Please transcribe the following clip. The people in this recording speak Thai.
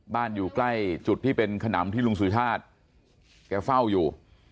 อยู่ใกล้จุดที่เป็นขนำที่ลุงสุชาติแกเฝ้าอยู่